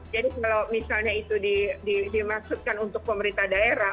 jadi kalau misalnya itu dimaksudkan untuk pemerintah daerah